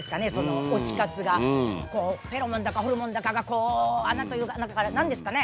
フェロモンだかホルモンだかが穴という穴からなんですかね。